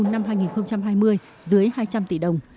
năm hai nghìn hai mươi dưới hai trăm linh tỷ đồng